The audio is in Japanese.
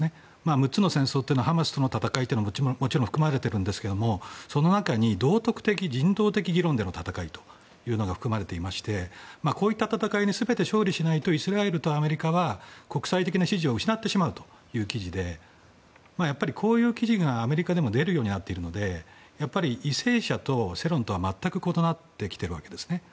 ６つの戦闘というのはハマスとの戦いももちろん含まれているんですがその中に道徳的・人道的議論での戦いというのが含まれていましてこういった戦いに全て勝利しないとイスラエルとアメリカは国際的な支持を失ってしまうという記事でこういう記事がアメリカでも出るようになっていますのでやっぱり、為政者と世論とは全く異なっているんですね。